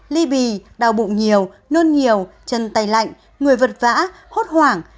ly bì đau bụng nhiều nôn nhiều chân tay lạnh người vật vã hốt hoảng